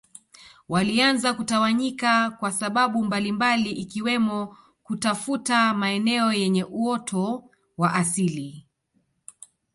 Walianza kutawanyika kwa sababu mbalimbali ikiwemo kutafuta maeneo yenye uoto wa asili